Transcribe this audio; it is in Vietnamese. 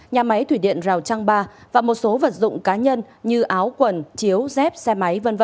nhà máy thủy điện rào trăng ba và một số vật dụng cá nhân như áo quần chiếu dép xe máy v v